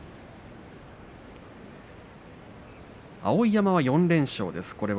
碧山は４連勝です。